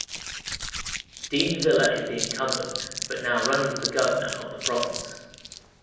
Dean Villa is the incumbent but now running for governor of the province.